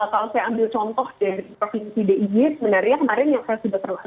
tapi kalau saya ambil contoh dari provinsi dig benarnya kemarin yang saya sebutkan